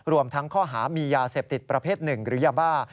รวมทั้งข้อหามียาเสพติดประเภทหนึ่งหรือยาบ้า